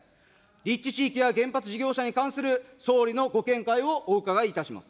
立地地域や原発事業者に関する総理のご見解をお伺いいたします。